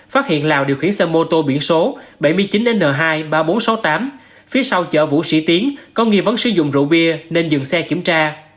phát hiện lào điều khiển xe mô tô biển số bảy mươi chín n hai ba nghìn bốn trăm sáu mươi tám phía sau chợ vũ sĩ tiến có nghi vấn sử dụng rượu bia nên dừng xe kiểm tra